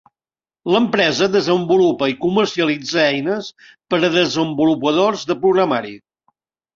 L'empresa desenvolupa i comercialitza eines per a desenvolupadors de programari.